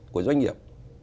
của doanh nghiệp